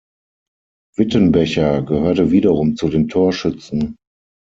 Wittenbecher gehörte wiederum zu den Torschützen.